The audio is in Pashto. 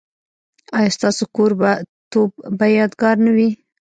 ایا ستاسو کوربه توب به یادګار نه وي؟